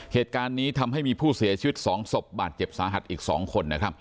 เหตุการณ์นี้ทำให้มีผู้เสียชีวิต๒ศพบาดเจ็บสาหัสอีก๒คนนะครับ